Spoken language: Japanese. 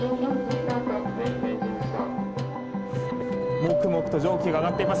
もくもくと蒸気が上がってきました。